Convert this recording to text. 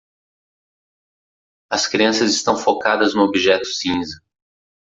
As crianças estão focadas no objeto cinza.